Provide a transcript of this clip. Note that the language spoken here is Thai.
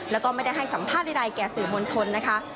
แล้วก็ไม่ได้ให้สัมภาษณ์ใดแก่สื่อมวลชนนะคะ